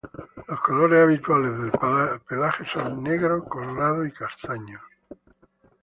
Los colores habituales del pelaje son: negro, colorado y castaño.